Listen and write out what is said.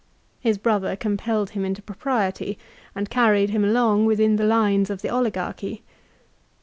His brother compelled him into propriety, and carried him along within the lines of the oligarchy.